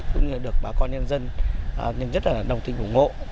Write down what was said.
cũng như được bà con nhân dân rất là đồng tình ủng hộ